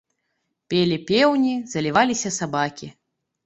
Пелі пеўні, заліваліся сабакі.